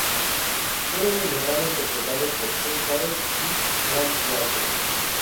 Era un melodrama interpretado por Sue Carol y Grant Withers.